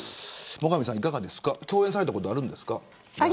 最上さんいかがですか共演されたことありますか。